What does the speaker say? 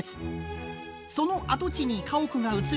その跡地に家屋が移り